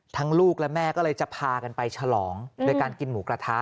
ลูกและแม่ก็เลยจะพากันไปฉลองโดยการกินหมูกระทะ